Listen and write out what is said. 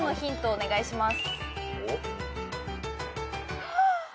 お願いします。